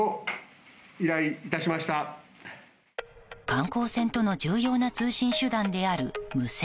観光船との重要な通信手段である無線。